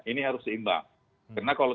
ini harus seimbang karena kalau